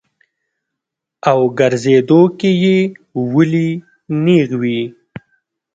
او ګرځېدو کښې ئې ولي نېغ وي -